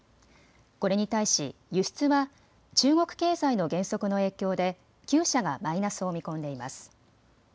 これに対し輸出は中国経済の減速の影響で９社がマイナスを見込んでいます。